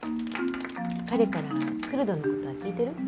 彼からクルドのことは聞いてる？